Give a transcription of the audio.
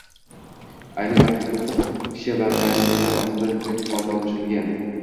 Ayni vaqtda to‘qqiz kishi vayronalar ostidan tirik holda olib chiqilgan